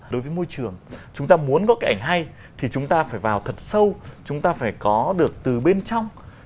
đối với môi trường chúng ta muốn có cái ảnh hay thì chúng ta phải vào thật sâu chúng ta phải có được từ bên trong